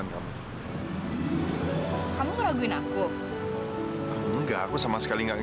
kegerasan hati mama yang melarang aku menikah dengan julie